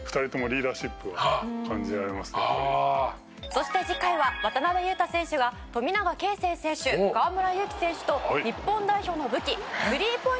「そして次回は渡邊雄太選手が富永啓生選手河村勇輝選手と日本代表の武器スリーポイント